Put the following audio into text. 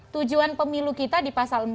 tujuan pemilu kita di pasal empat